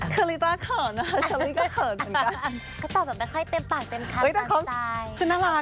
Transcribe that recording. คือริต้าเขินชะลีก็เขินเหมือนกัน